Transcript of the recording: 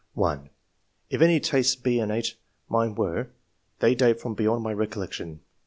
(1) "If any tastes be innate, mine were ; they date from beyond my recollection.